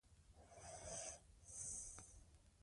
تعلیم یافته میندې د ماشومانو د بدن پاک ساتلو لارښوونه کوي.